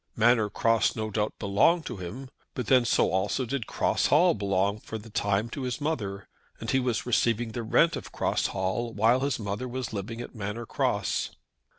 Manor Cross no doubt belonged to him, but then so also did Cross Hall belong for the time to his mother; and he was receiving the rent of Cross Hall while his mother was living at Manor Cross.